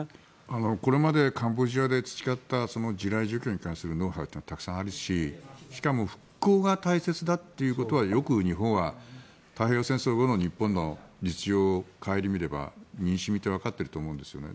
これまでカンボジアで培った地雷除去に関するノウハウはたくさんあるししかも復興が大切だということはよく日本は太平洋戦争後の日本の実情を顧みれば身に染みてわかっていると思うんですね。